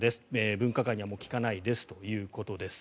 分科会にはもう聞かないですということです。